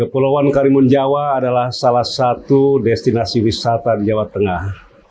kepulauan karimun jawa adalah salah satu destinasi wisata di jawa tengah